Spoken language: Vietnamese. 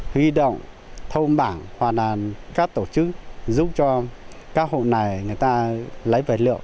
huy động thông bảng hòa đàn các tổ chức giúp cho các hộ này người ta lấy vật liệu